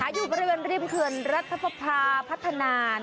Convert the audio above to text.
อยู่บริเวณริมเขื่อนรัฐประพาพัฒนา